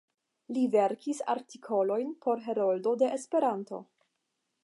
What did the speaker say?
Li verkis artikolojn por "Heroldo de Esperanto.